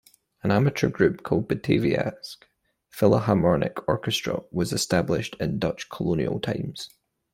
An amateur group called "Bataviasche Philharmonic Orchestra" was established in Dutch colonial times.